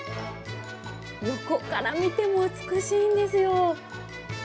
横から見ても美しいんですよ。